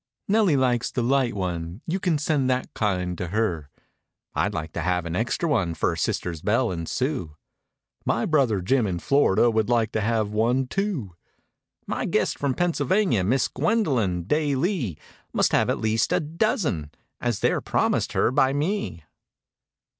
"Nellie likes the light one, you Can send that kind to her." "I'd like to have an extra one For sisters Belle and Sue." "My brother Jim in Florida Would like to have one, too." "My guest from Pennsylvania, Miss Gwendylyne Day lee, Must have at least a dozen, As they're promised her by me."